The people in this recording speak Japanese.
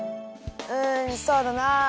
うんそうだな。